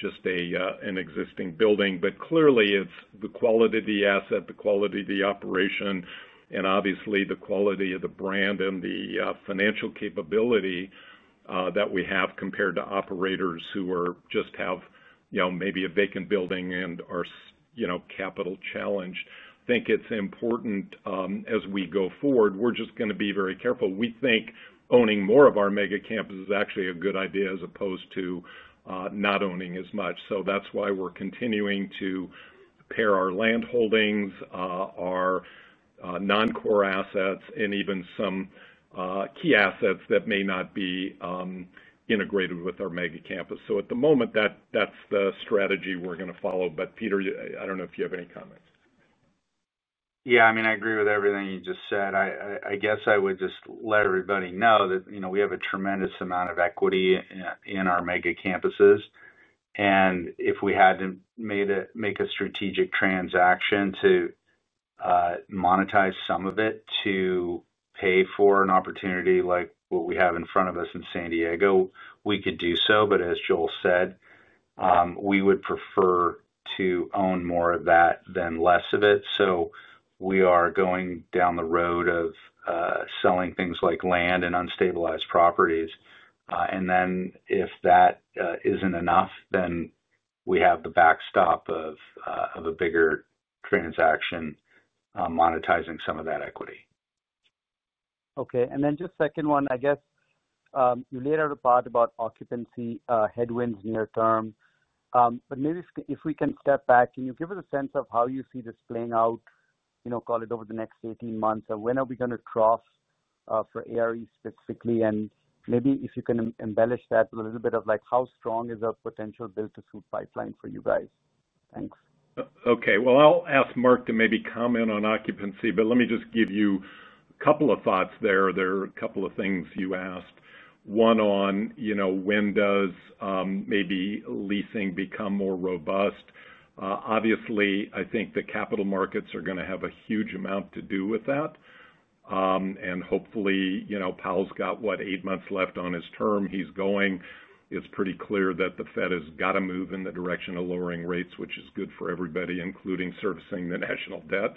just an existing building. Clearly, it's the quality of the asset, the quality of the operation, and obviously the quality of the brand and the financial capability that we have compared to operators who just have maybe a vacant building and are capital challenged. I think it's important as we go forward, we're just going to be very careful. We think owning more of our mega campus is actually a good idea as opposed to not owning as much. That's why we're continuing to pare our land holdings, our non-core assets, and even some key assets that may not be integrated with our mega campus. At the moment, that's the strategy we're going to follow. Peter, I don't know if you have any comments. Yeah. I mean, I agree with everything you just said. I guess I would just let everybody know that we have a tremendous amount of equity in our mega campuses. If we had to make a strategic transaction to monetize some of it to pay for an opportunity like what we have in front of us in San Diego, we could do so. As Joel said, we would prefer to own more of that than less of it. We are going down the road of selling things like land and unstabilized properties. If that is not enough, then we have the backstop of a bigger transaction, monetizing some of that equity. Okay. And then just second one, I guess. You laid out a part about occupancy, headwinds near term. Maybe if we can step back, can you give us a sense of how you see this playing out, call it over the next 18 months? When are we going to trough for ARE specifically? Maybe if you can embellish that with a little bit of how strong is a potential build-to-suit pipeline for you guys? Thanks. Okay. I'll ask Mark to maybe comment on occupancy, but let me just give you a couple of thoughts there. There are a couple of things you asked. One on when does maybe leasing become more robust? Obviously, I think the capital markets are going to have a huge amount to do with that. Hopefully, Powell's got what, eight months left on his term. He's going. It's pretty clear that the Fed has got to move in the direction of lowering rates, which is good for everybody, including servicing the national debt.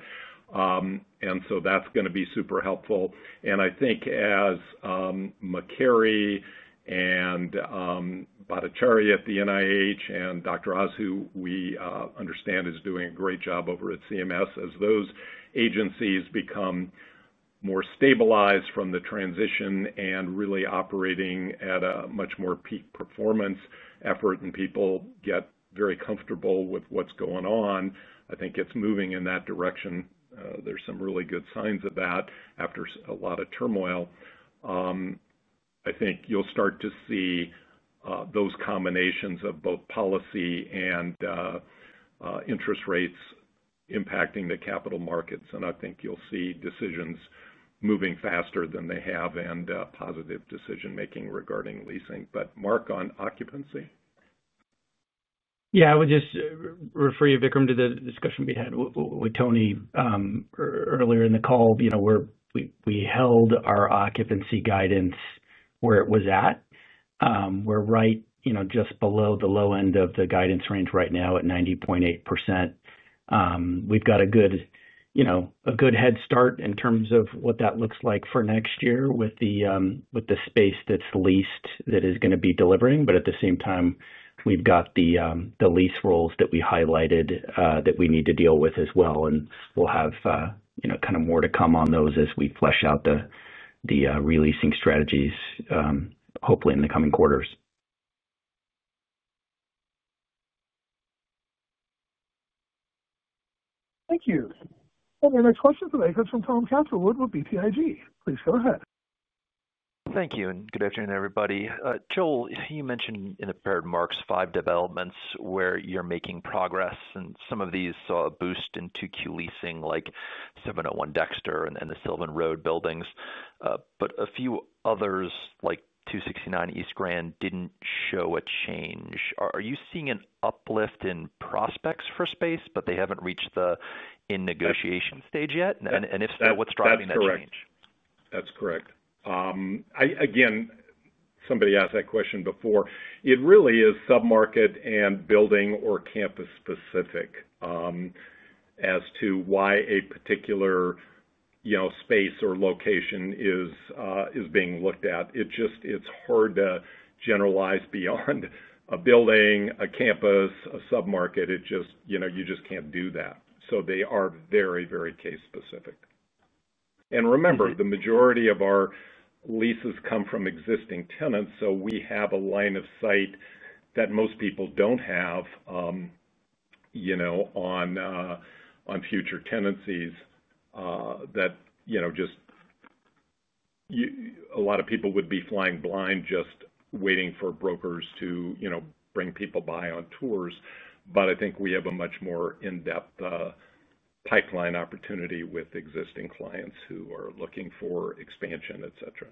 That's going to be super helpful. I think as McCary and Bhattacharya at the National Institutes of Health and Dr. Azu, we understand, is doing a great job over at the Centers for Medicare & Medicaid Services, as those agencies become more stabilized from the transition and really operating at a much more peak performance effort and people get very comfortable with what's going on, I think it's moving in that direction. There are some really good signs of that after a lot of turmoil. I think you'll start to see those combinations of both policy and interest rates impacting the capital markets. I think you'll see decisions moving faster than they have and positive decision-making regarding leasing. Mark on occupancy? Yeah. I would just refer you, Vikram, to the discussion we had with Tony earlier in the call. We held our occupancy guidance where it was at. We're right just below the low end of the guidance range right now at 90.8%. We've got a good head start in terms of what that looks like for next year with the space that's leased that is going to be delivering. At the same time, we've got the lease roll that we highlighted that we need to deal with as well. We'll have kind of more to come on those as we flesh out the releasing strategies, hopefully in the coming quarters. Thank you. Our next question today comes from Tom Catherwood with BTIG. Please go ahead. Thank you. And good afternoon, everybody. Joel, you mentioned in the prior remarks five developments where you're making progress. And some of these saw a boost in 2Q leasing like 701 Dexter and the Sylvan Road buildings. But a few others like 269 East Grand didn't show a change. Are you seeing an uplift in prospects for space, but they haven't reached the in-negotiation stage yet? And if so, what's driving that change? That's correct. Again, somebody asked that question before. It really is submarket and building or campus specific as to why a particular space or location is being looked at. It's hard to generalize beyond a building, a campus, a submarket. You just can't do that. They are very, very case-specific. Remember, the majority of our leases come from existing tenants, so we have a line of sight that most people don't have on future tenancies. That just—a lot of people would be flying blind just waiting for brokers to bring people by on tours. I think we have a much more in-depth pipeline opportunity with existing clients who are looking for expansion, etc.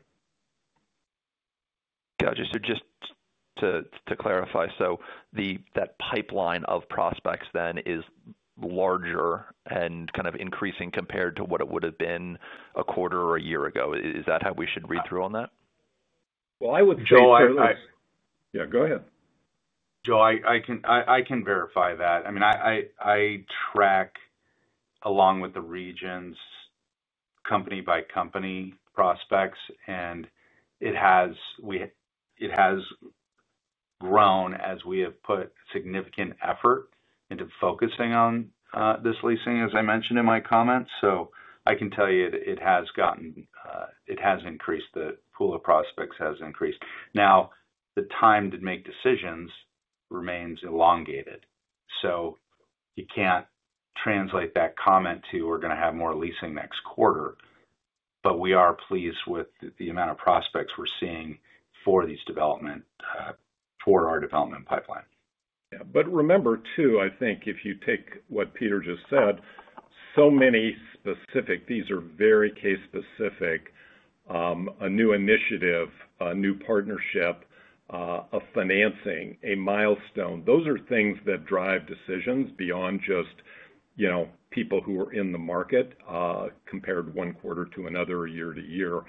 Gotcha. Just to clarify, so that pipeline of prospects then is larger and kind of increasing compared to what it would have been a quarter or a year ago. Is that how we should read through on that? I would. Joel, I. Yeah, go ahead. Joel, I can verify that. I mean, I track along with the regions, company-by-company prospects, and it has grown as we have put significant effort into focusing on this leasing, as I mentioned in my comments. I can tell you it has gotten—it has increased. The pool of prospects has increased. Now, the time to make decisions remains elongated. You cannot translate that comment to, "We're going to have more leasing next quarter." We are pleased with the amount of prospects we're seeing for these, our development pipeline. Yeah. Remember too, I think if you take what Peter just said, so many specific, these are very case-specific. A new initiative, a new partnership. A financing, a milestone. Those are things that drive decisions beyond just people who are in the market. Compared one quarter to another, year to year.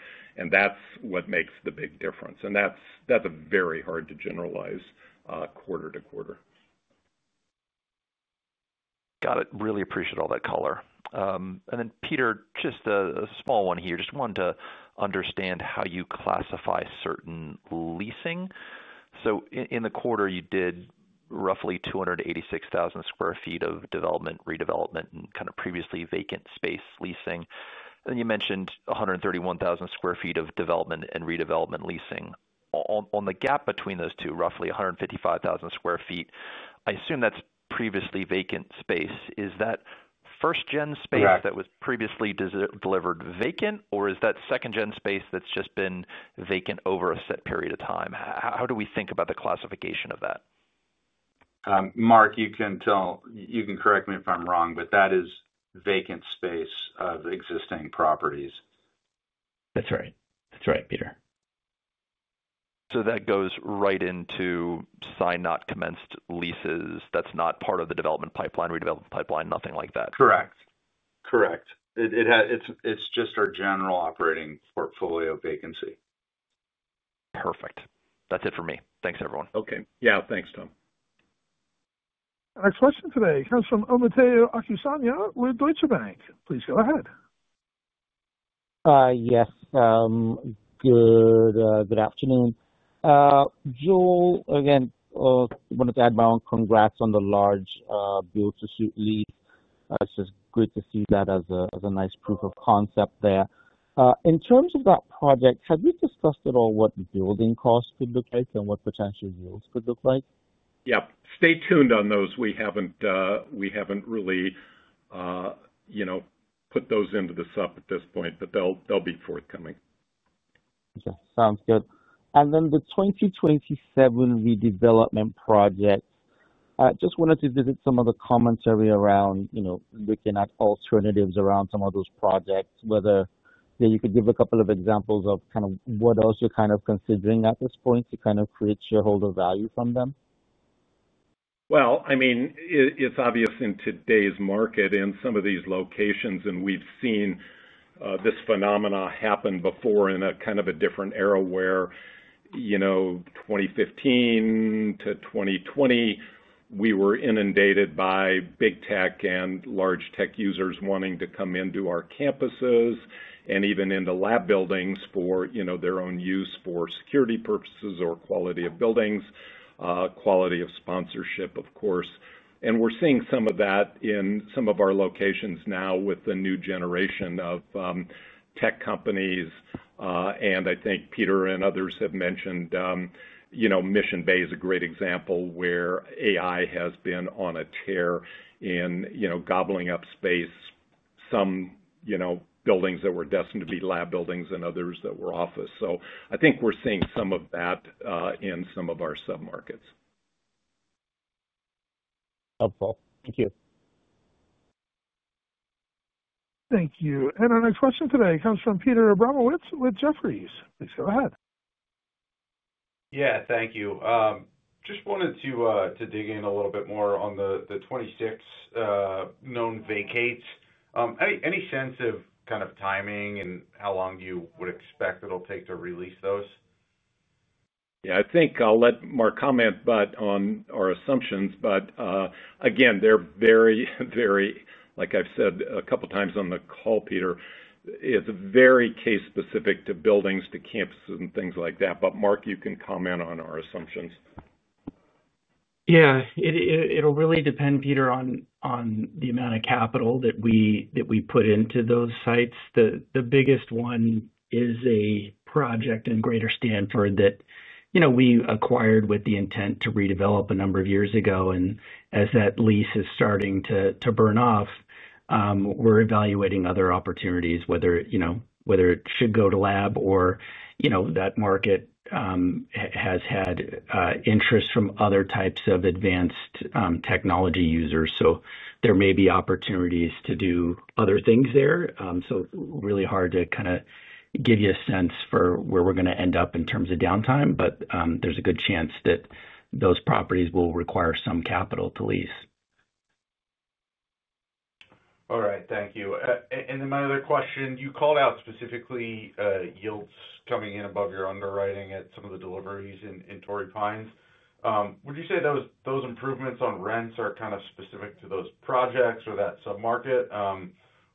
That is what makes the big difference. That is very hard to generalize quarter to quarter. Got it. Really appreciate all that color. Peter, just a small one here. Just wanted to understand how you classify certain leasing. In the quarter, you did roughly 286,000 sq ft of development, redevelopment, and kind of previously vacant space leasing. You mentioned 131,000 sq ft of development and redevelopment leasing. On the gap between those two, roughly 155,000 sq ft, I assume that is previously vacant space. Is that first-gen space that was previously delivered vacant, or is that second-gen space that has just been vacant over a set period of time? How do we think about the classification of that? Mark, you can correct me if I'm wrong, but that is vacant space of existing properties. That's right. That's right, Peter. That goes right into sign-not-commenced leases. That's not part of the development pipeline, redevelopment pipeline, nothing like that? Correct. It's just our general operating portfolio vacancy. Perfect. That's it for me. Thanks, everyone. Okay. Yeah. Thanks, Tom. Our next question today comes from Omotayo Okusanya with Deutsche Bank. Please go ahead. Yes. Good afternoon. Joel, again, wanted to add my own congrats on the large build-to-suit lease. It's just great to see that as a nice proof of concept there. In terms of that project, have you discussed at all what building costs could look like and what potential yields could look like? Yeah. Stay tuned on those. We haven't really put those into the sub at this point, but they'll be forthcoming. Okay. Sounds good. The 2027 redevelopment project, I just wanted to visit some of the commentary around. Looking at alternatives around some of those projects, whether you could give a couple of examples of kind of what else you're kind of considering at this point to kind of create shareholder value from them. I mean, it's obvious in today's market in some of these locations, and we've seen this phenomena happen before in a kind of a different era where 2015 to 2020, we were inundated by big tech and large tech users wanting to come into our campuses and even into lab buildings for their own use for security purposes or quality of buildings, quality of sponsorship, of course. We're seeing some of that in some of our locations now with the new generation of tech companies. I think Peter and others have mentioned Mission Bay is a great example where AI has been on a tear in gobbling up space. Some buildings that were destined to be lab buildings and others that were office. I think we're seeing some of that in some of our submarkets. Helpful. Thank you. Thank you. Our next question today comes from Peter Abramowitz with Jefferies. Please go ahead. Yeah. Thank you. Just wanted to dig in a little bit more on the 26 known vacates. Any sense of kind of timing and how long you would expect it'll take to release those? Yeah. I think I'll let Mark comment on our assumptions. Again, they're very, very, like I've said a couple of times on the call, Peter, it's very case-specific to buildings, to campuses, and things like that. Mark, you can comment on our assumptions. Yeah. It'll really depend, Peter, on the amount of capital that we put into those sites. The biggest one is a project in Greater Stanford that we acquired with the intent to redevelop a number of years ago. As that lease is starting to burn off, we're evaluating other opportunities, whether it should go to lab or that market has had interest from other types of advanced technology users. There may be opportunities to do other things there. It's really hard to kind of give you a sense for where we're going to end up in terms of downtime, but there's a good chance that those properties will require some capital to lease. All right. Thank you. Then my other question, you called out specifically yields coming in above your underwriting at some of the deliveries in Torrey Pines. Would you say those improvements on rents are kind of specific to those projects or that submarket?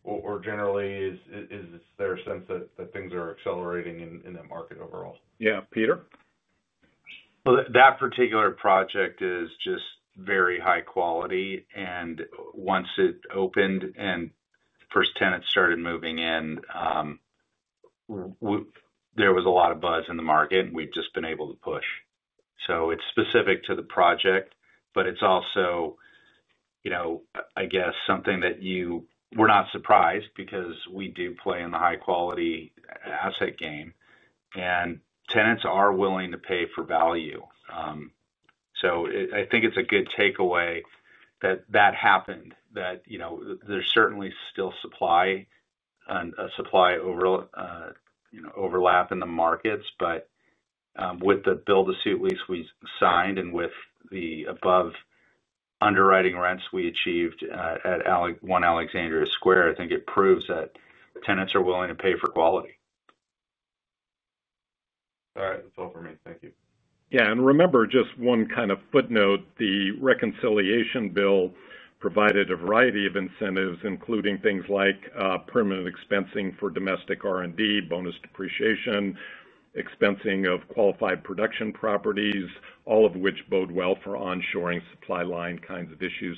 Or generally, is there a sense that things are accelerating in that market overall? Yeah. Peter? That particular project is just very high quality. Once it opened and first tenants started moving in, there was a lot of buzz in the market, and we've just been able to push. It's specific to the project, but it's also, I guess, something that you were not surprised because we do play in the high-quality asset game. Tenants are willing to pay for value. I think it's a good takeaway that that happened. There's certainly still supply and a supply overlap in the markets. With the build-to-suit lease we signed and with the above underwriting rents we achieved at One Alexandria Square, I think it proves that tenants are willing to pay for quality. All right. That's all for me. Thank you. Yeah. And remember, just one kind of footnote, the reconciliation bill provided a variety of incentives, including things like permanent expensing for domestic R&D, bonus depreciation, expensing of qualified production properties, all of which bode well for onshoring supply line kinds of issues.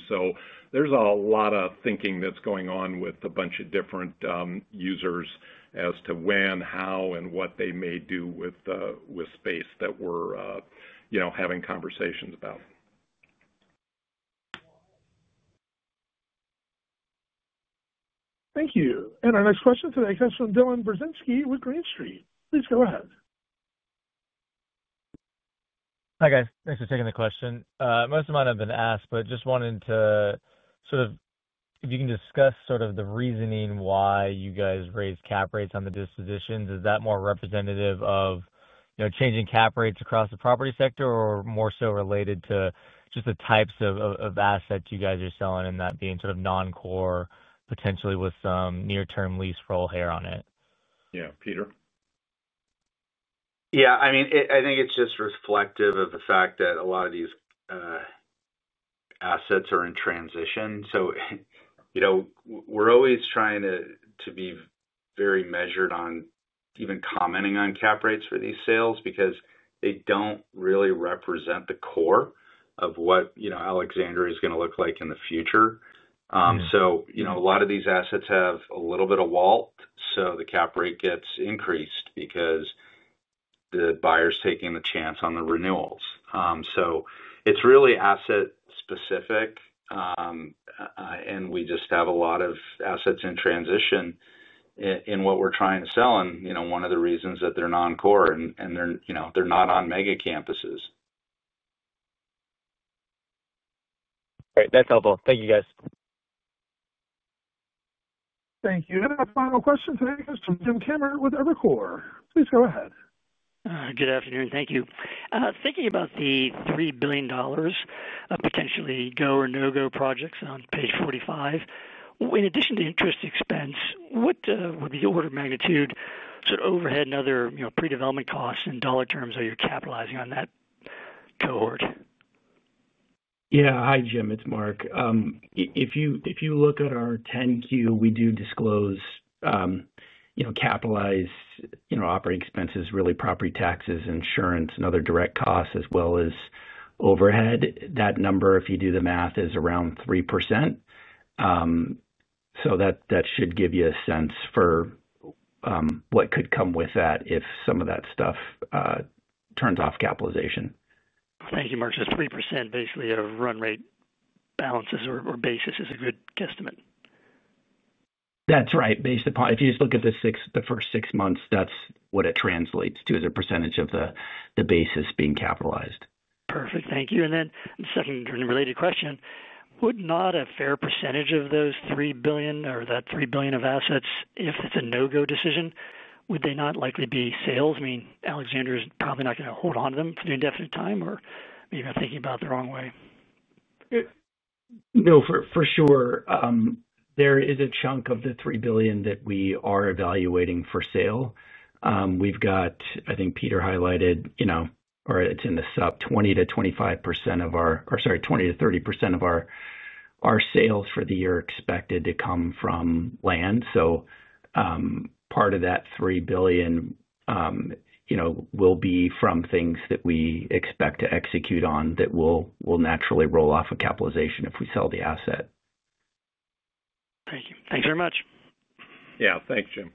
There is a lot of thinking that's going on with a bunch of different users as to when, how, and what they may do with space that we're having conversations about. Thank you. Our next question today comes from Dylan Burzinski with Green Street. Please go ahead. Hi guys. Thanks for taking the question. Most of mine have been asked, but just wanted to sort of, if you can discuss sort of the reasoning why you guys raised cap rates on the dispositions. Is that more representative of changing cap rates across the property sector or more so related to just the types of assets you guys are selling and that being sort of non-core, potentially with some near-term lease roll hair on it? Yeah. Peter? Yeah. I mean, I think it's just reflective of the fact that a lot of these assets are in transition. We're always trying to be very measured on even commenting on cap rates for these sales because they don't really represent the core of what Alexandria is going to look like in the future. A lot of these assets have a little bit of wallet, so the cap rate gets increased because the buyer's taking the chance on the renewals. It's really asset-specific. We just have a lot of assets in transition in what we're trying to sell, and one of the reasons that they're non-core is they're not on mega campuses. All right. That's helpful. Thank you, guys. Thank you. And our final question today comes from Jim Kammert with Evercore ISI Institutional Equities. Please go ahead. Good afternoon. Thank you. Thinking about the $3 billion. Potentially go or no-go projects on page 45. In addition to interest expense, what would be the order of magnitude sort of overhead and other pre-development costs in dollar terms that you're capitalizing on that cohort? Yeah. Hi, Jim. It's Mark. If you look at our 10Q, we do disclose. Capitalized operating expenses, really property taxes, insurance, and other direct costs as well as overhead. That number, if you do the math, is around 3%. So that should give you a sense for what could come with that if some of that stuff turns off capitalization. Thank you, Mark. So 3% basically of run rate balances or basis is a good guesstimate. That's right. Based upon, if you just look at the first six months, that's what it translates to as a percentage of the basis being capitalized. Perfect. Thank you. Then second related question, would not a fair percentage of those $3 billion or that $3 billion of assets, if it's a no-go decision, would they not likely be sales? I mean, Alexandria is probably not going to hold on to them for the indefinite time or maybe you're thinking about it the wrong way. No, for sure. There is a chunk of the $3 billion that we are evaluating for sale. We've got, I think Peter highlighted. Or it's in the sub, 20%-25% of our—sorry, 20%-30% of our sales for the year expected to come from land. Part of that $3 billion will be from things that we expect to execute on that will naturally roll off of capitalization if we sell the asset. Thank you. Thanks very much. Yeah. Thanks, Jim.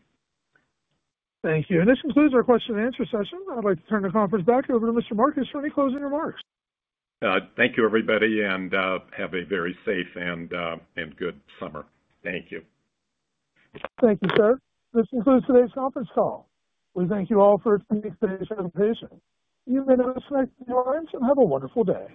Thank you. This concludes our question and answer session. I'd like to turn the conference back over to Mr. Marcus for any closing remarks. Thank you, everybody, and have a very safe and good summer. Thank you. Thank you, sir. This concludes today's conference call. We thank you all for attending today's presentation. You may now expect your lunch and have a wonderful day.